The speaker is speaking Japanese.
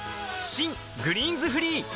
新「グリーンズフリー」